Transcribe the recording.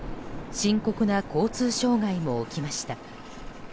深刻な交通障害も起きました。